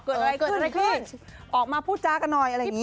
เกิดอะไรขึ้นออกมาพูดจากันหน่อยอะไรอย่างนี้